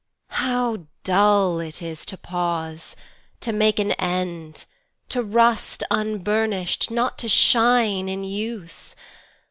How dull it is to pause, to make an end, To rust unburnish'd, not to shine in use!